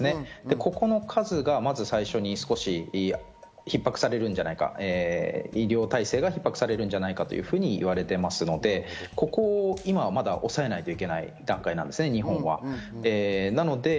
ここの数がまず最初に逼迫されるんじゃないか、医療体制が逼迫されるんじゃないかというふうに言われていますので、ここを今は抑えないといけない段階です、日本は。